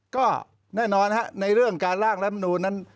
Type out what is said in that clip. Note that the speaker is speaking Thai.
ก็แน่นอนฮะในเรื่องการล่างล้ำหนูนั้น